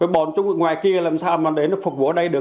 cái bọn chúng ở ngoài kia làm sao mà để nó phục vụ ở đây được